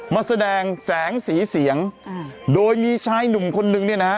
มาแสดงแสงสีเสียงโดยมีชายหนุ่มคนหนึ่ง